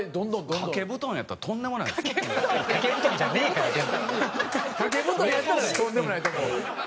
掛け布団やったらとんでもないとこ。